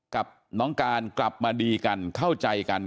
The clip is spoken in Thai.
กับน้องการกลับมาดีกันเข้าใจกัน